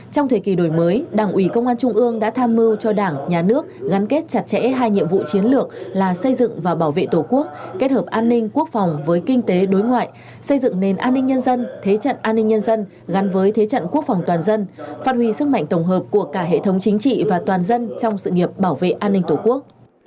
trong thời kỳ đổi mới đảng uỷ công an trung ương đã tham mưu cho đảng nhà nước gắn kết chặt chẽ hai nhiệm vụ chiến lược là xây dựng và bảo vệ tổ quốc kết hợp an ninh quốc phòng với kinh tế đối ngoại xây dựng nền an ninh nhân dân thế trận an ninh nhân dân gắn với thế trận quốc phòng toàn dân phát huy sức mạnh tổng hợp của cả hệ thống chính trị và toàn dân trong sự nghiệp bảo vệ an ninh tổ quốc